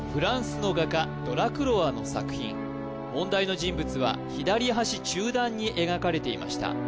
さすが問題の人物は左端中段に描かれていました